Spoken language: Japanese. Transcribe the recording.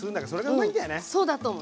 うんそうだと思う。